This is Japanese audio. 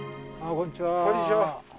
こんにちは。